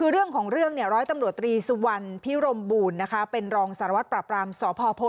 เรื่องเนี่ยร้อยตำรวจรีสุวรรณพิรมบูรณ์นะคะเป็นรองสารวัตรปราบรามสพ